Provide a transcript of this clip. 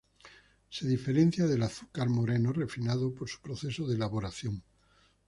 Se diferencia del azúcar moreno refinado por su proceso de elaboración.